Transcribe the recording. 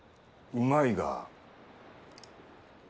「うまいが」？